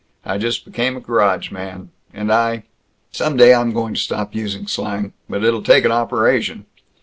I just became a garage man. And I Some day I'm going to stop using slang. But it'll take an operation!"